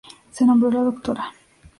Se nombró a la Dra.